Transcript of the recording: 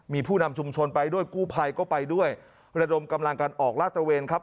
มีผู้นำชุมชนไปด้วยกู้ภัยก็ไปด้วยระดมกำลังกันออกลาดตระเวนครับ